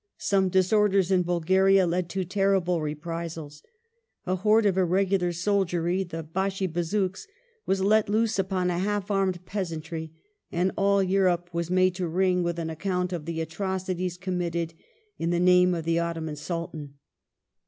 Some disorders in Bulgaria led to terrible reprisals. A horde of iiTegular soldiery — the Bashi Bazouks — was let loose upon a half armed peasantry, and all Europe j was made to ring with an account of the atrocities committed in the name of the Ottoman Sultan.